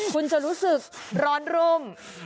คุณจะรู้สึกร้อนรุ่ม